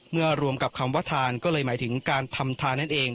เมื่อรวมกับคำวัฒนธรรมก็เลยหมายถึงการธรรมทานั่นเอง